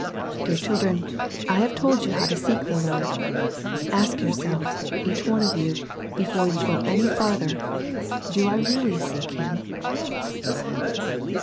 Dear children, I have told you how to seek the Lord. Ask yourselves, each one of you, before you go any further. Do I really seek Him?